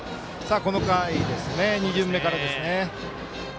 この回、２巡目からですね。